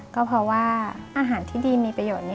ก็เพราะว่าอาหารที่ดีมีประโยชน์